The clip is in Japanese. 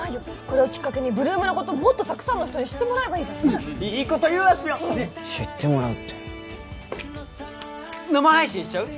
これをきっかけに８ＬＯＯＭのこともっとたくさんの人に知ってもらえばいいじゃんねいいこと言うあすぴょん知ってもらうって生配信しちゃう？